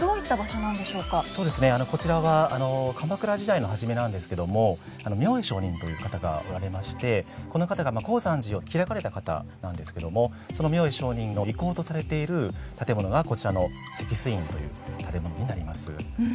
こちらは鎌倉時代の初めなんですけども明恵上人という方がおられましてこの方が高山寺を開かれた方なんですけどもその明恵上人の遺構とされている建物がこちらの石水院という建物になります。